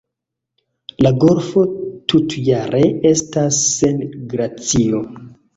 La golfo tutjare estas sen glacio.